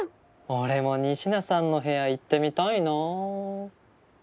俺も仁科さんの部屋行ってみたいな。